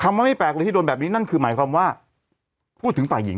ว่าไม่แปลกเลยที่โดนแบบนี้นั่นคือหมายความว่าพูดถึงฝ่ายหญิง